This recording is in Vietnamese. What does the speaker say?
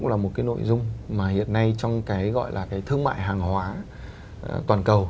cũng là một cái nội dung mà hiện nay trong cái gọi là cái thương mại hàng hóa toàn cầu